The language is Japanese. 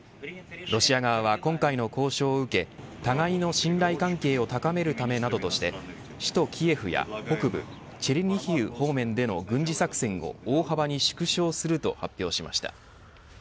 ロシア側は今回の交渉を受け互いの信頼関係を高めるためなどとして首都キエフや北部チェルニヒウ方面での軍事作戦を大幅に縮小すると発表しました。